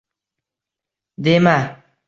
Dema